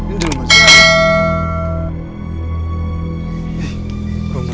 ini rumah siapa